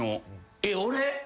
えっ俺？